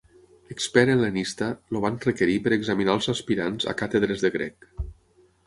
Expert hel·lenista, el van requerir per examinar els aspirants a càtedres de grec.